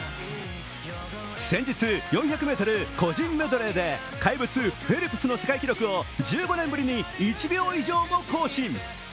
先日、４００ｍ個人メドレーで怪物・フェルプスの世界記録を１５年ぶりに１秒以上も更新。